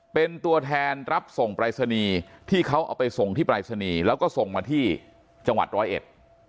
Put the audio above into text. เป็นตัวแทนรับส่งปรายศนีย์ที่เขาเอาไปส่งที่ปรายศนีย์แล้วก็ส่งมาที่จังหวัดร้อยเอ็ด